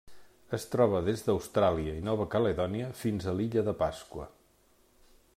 Es troba des d'Austràlia i Nova Caledònia fins a l'Illa de Pasqua.